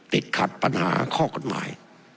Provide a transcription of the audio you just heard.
ติดขัดปัญหาข้อกฎหมาย